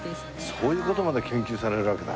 そういう事まで研究されるわけだ。